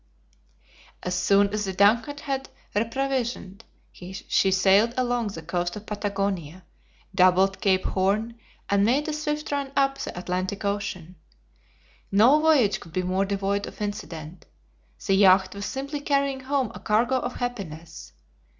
As soon as the DUNCAN had re provisioned, she sailed along the coast of Patagonia, doubled Cape Horn, and made a swift run up the Atlantic Ocean. No voyage could be more devoid of incident. The yacht was simply carrying home a cargo of happiness.